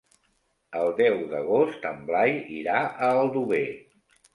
El deu d'agost en Blai irà a Aldover.